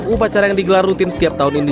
upacara yang digelar rutin setiap tahun ini